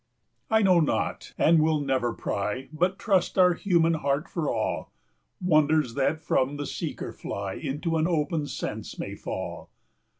I know not, and will never pry, But trust our human heart for all; Wonders that from the seeker fly Into an open sense may fall.